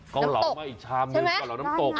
เกาเหลามาอีกชามหนึ่งเกาเหลาน้ำตก